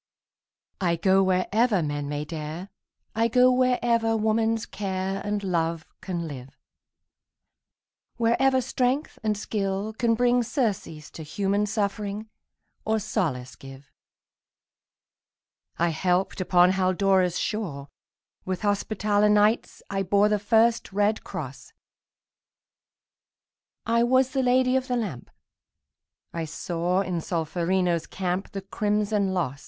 I go wherever men may dare, I go wherever woman's care And love can live, Wherever strength and skill can bring Surcease to human suffering, Or solace give. I helped upon Haldora's shore; With Hospitaller Knights I bore The first red cross; I was the Lady of the Lamp; I saw in Solferino's camp The crimson loss.